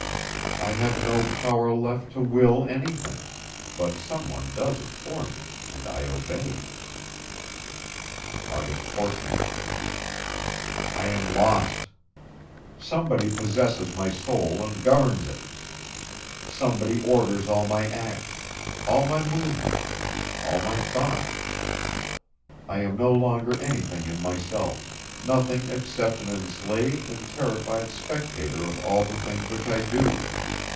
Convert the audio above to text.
I have no power left to will anything, but some one does it for me and I obey. August 14th. I am lost! Somebody possesses my soul and governs it! Somebody orders all my acts, all my movements, all my thoughts. I am no longer anything in myself, nothing except an enslaved and terrified spectator of all the things which I do.